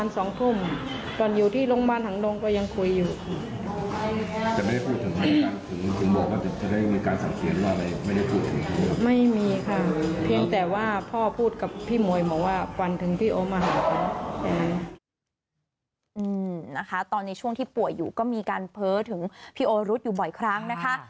ตอนในช่วงที่ป่วยอยู่ก็มีการเพ้อถึงพี่โอรุธอยู่บ่อยครั้งนะคะ